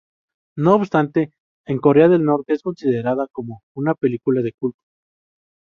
No obstante, en Corea del Norte es considerada como una película de culto.